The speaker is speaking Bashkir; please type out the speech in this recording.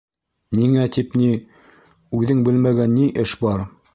— Ниңә тип ни, үҙең белмәгән ни эш бар.